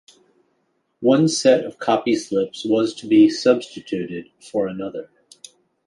One set of copy-slips was to be substituted for another.